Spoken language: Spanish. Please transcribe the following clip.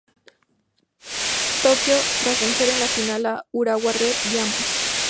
Tokyo, tras vencer en la final a Urawa Red Diamonds.